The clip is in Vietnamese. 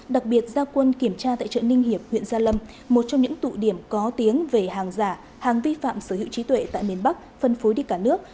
đặc biệt gia quân kiểm tra tại chợ ninh hiệp huyện gia lâm một trong những tụ điểm có tiếng về hàng giả hàng vi phạm sở hữu trí tuệ tại miền bắc phân phối đi cả nước